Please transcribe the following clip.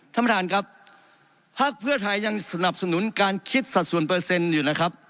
ท่านประธานครับภาคเพื่อไทยยังสนับสนุนการคิดสัดส่วนเปอร์เซ็นต์อยู่นะครับ